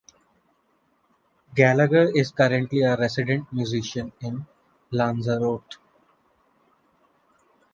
Gallagher is currently a resident musician in Lanzarote.